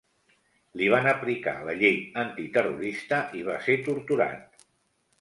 Li van aplicar la llei antiterrorista i va ser torturat.